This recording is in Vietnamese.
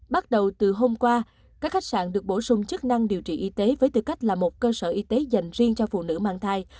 bắt đầu từ hôm qua các khách sạn được bổ sung chức năng điều trị y tế với tư cách là một cơ sở y tế dành riêng cho phụ nữ mang thai